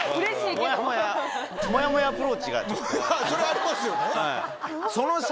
それありますよね。